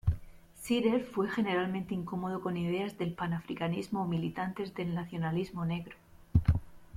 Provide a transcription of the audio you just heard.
Shearer fue generalmente incómodo con ideas del panafricanismo o militantes del nacionalismo negro.